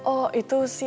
oh itu sih